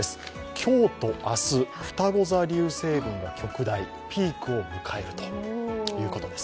今日と明日、ふたご座流星群が極大、ピークを迎えるということです。